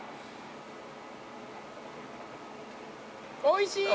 おいしい！